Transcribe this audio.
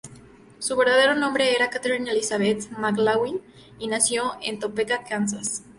Su verdadero nombre era Katherine Elizabeth McLaughlin, y nació en Topeka, Kansas.